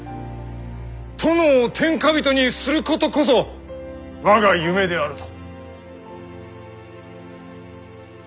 殿を天下人にすることこそ我が夢であると。